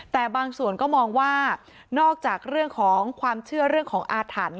แต่บางส่วนก็มองว่านอกจากเรื่องของความเชื่อเรื่องของอาถรรพ์